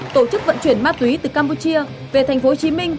tổ chức vận chuyển ma túy từ campuchia về tp hcm